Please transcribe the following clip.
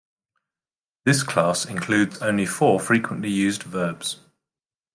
This class includes only four frequently used verbs.